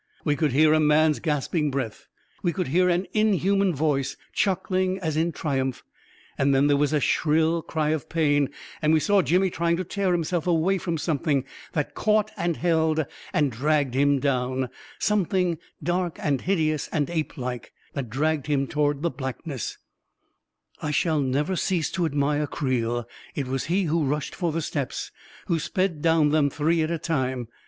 We could hear a man's gasping breath; we could hear an inhuman voice chuckling as in triumph; and then there was a shrill cry of pain, and we saw Jimmy trying to tear himself away from something that caught and held and dragged him down — something dark and hideous and ape like, that dragged him toward the black ness •.. I shall never cease to admire Creel. It was he who rushed for the steps — who sped down them three at a time.